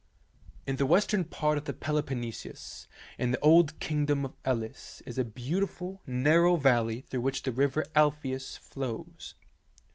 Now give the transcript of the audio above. In the western part of the Peloponnesus, in the old kingdom of Elis, is a beautiful narrow valley through which the river Alpheus flows.